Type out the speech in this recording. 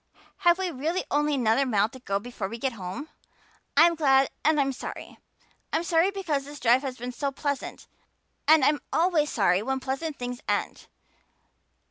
Have we really only another mile to go before we get home? I'm glad and I'm sorry. I'm sorry because this drive has been so pleasant and I'm always sorry when pleasant things end.